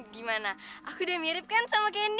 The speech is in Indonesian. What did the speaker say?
gimana aku udah mirip kan sama kenny